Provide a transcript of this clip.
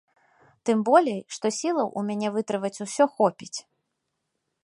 Тым болей, што сілаў у мяне вытрываць усё хопіць.